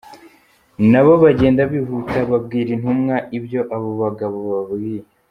Na bo bagenda bihuta babwira Intumwa ibyo abo bagabo bababwiye.